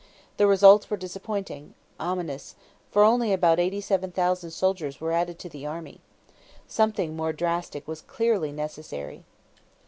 The results were disappointing ominous for only about 87,000 soldiers were added to the army. Something more drastic was clearly necessary.